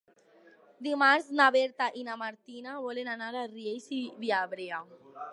Dimarts na Berta i na Martina volen anar a Riells i Viabrea.